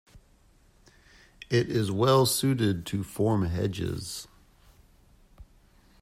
It is well suited to form hedges.